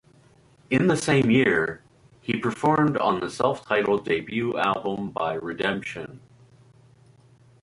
In the same year, he performed on the self-titled debut album by Redemption.